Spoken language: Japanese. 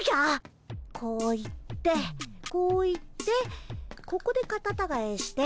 こう行ってこう行ってここでカタタガエして。